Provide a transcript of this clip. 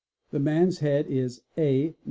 The man's head is a mms.